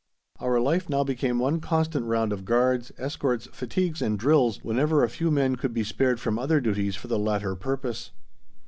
Our life now became one constant round of guards, escorts, fatigues, and drills whenever a few men could be spared from other duties for the latter purpose.